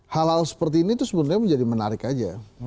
hal hal seperti ini itu sebenarnya menjadi menarik aja